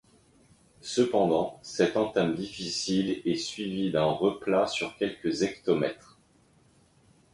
Cependant, cette entame difficile est suivie d’un replat sur quelques hectomètres.